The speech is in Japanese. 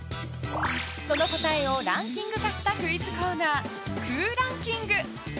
その答えをランキング化したクイズコーナー、空欄キング。